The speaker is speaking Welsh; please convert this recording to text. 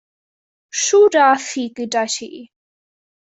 Shwd ath hi gyda ti?